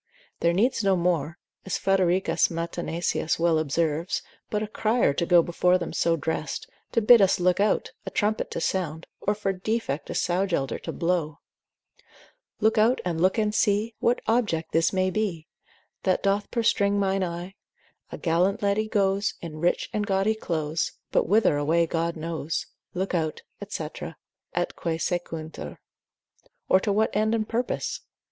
There needs no more, as Fredericus Matenesius well observes, but a crier to go before them so dressed, to bid us look out, a trumpet to sound, or for defect a sow gelder to blow, Look out, look out and see What object this may be That doth perstringe mine eye; A gallant lady goes In rich and gaudy clothes, But whither away God knows, ———look out, &c., et quae sequuntur, or to what end and purpose?